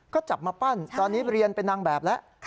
ก็จับมาปั้นตอนนี้เรียนเป็นนางแบบแล้ว